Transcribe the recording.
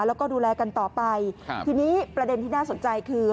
แล้วก็ดูแลกันต่อไปครับทีนี้ประเด็นที่น่าสนใจคือ